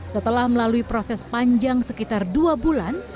setelah melalui proses panjang sekitar dua bulan